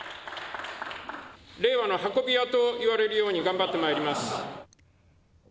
令和の運び屋といわれるように頑張ってまいります。